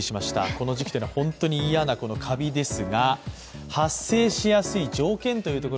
この時期というのは本当に嫌なカビです。